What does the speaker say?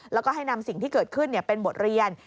แล้วก็ให้นำสิ่งที่เกิดขึ้นเป็นบทเรียน